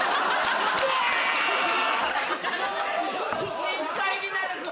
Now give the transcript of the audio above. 心配になるって。